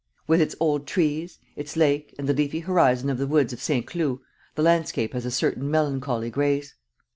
With its old trees, its lake and the leafy horizon of the woods of Saint Cloud, the landscape has a certain melancholy grace.